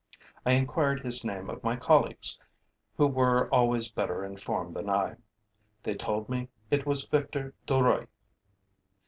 I inquired his name of my colleagues, who were always better informed than I. They told me it was Victor Duruy.